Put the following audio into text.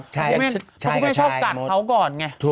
เพราะคุณแม่ชอบกัดเขาก่อนไง